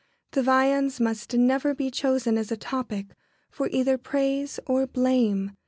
] The viands must never be chosen as a topic, for either praise or blame.